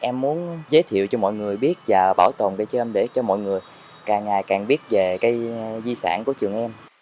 em muốn giới thiệu cho mọi người biết và bảo tồn cây tre để cho mọi người càng ngày càng biết về cái di sản của trường em